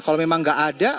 kalau memang enggak ada